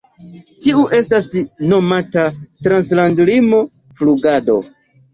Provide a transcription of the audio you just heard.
Tiu estas nomata Trans-landlimo Flugado.